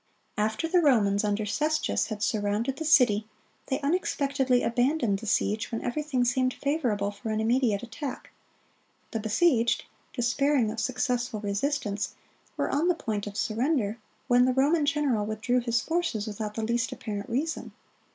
(41) After the Romans under Cestius had surrounded the city, they unexpectedly abandoned the siege when everything seemed favorable for an immediate attack. The besieged, despairing of successful resistance, were on the point of surrender, when the Roman general withdrew his forces without the least apparent reason.